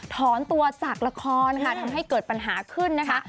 ถอนตัวจากละครค่ะทำให้เกิดปัญหาขึ้นนะคะ